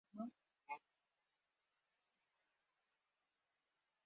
Leonard y Felicia tuvieron tres hijos: Jamie, Alexander y Nina.